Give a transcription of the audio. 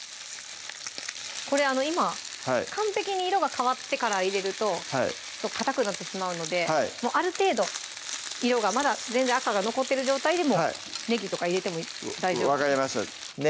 これ今完璧に色が変わってから入れるとかたくなってしまうのである程度色がまだ全然赤が残ってる状態でもねぎとか入れても大丈夫分かりましたね